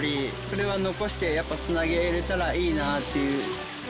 それは残してやっぱり繋げられたらいいなっていう。